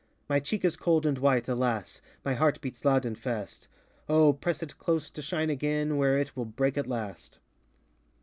My cheek is cold and white, alas! My heart beats loud and fast: O, press it close to shine again, Where it will break at last.